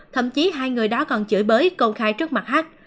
thậm chí hai người đó còn chửi bới công khai trước mặt hát